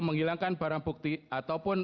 menghilangkan barang bukti ataupun